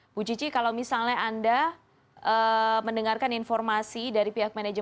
bu cici kalau misalnya anda mendengarkan informasi dari pihak manajemen